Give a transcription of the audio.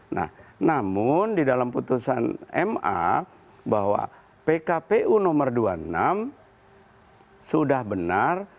nah namun di dalam putusan ma bahwa pkpu nomor dua puluh enam sudah benar